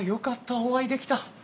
お会いできた！